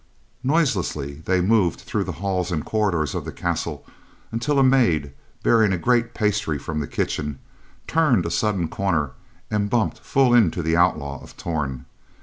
Noiselessly, they moved through the halls and corridors of the castle until a maid, bearing a great pasty from the kitchen, turned a sudden corner and bumped full into the Outlaw of Torn.